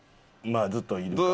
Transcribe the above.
まあずっといるから。